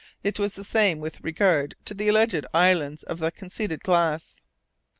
It was the same with regard to the alleged islands of the conceited Glass.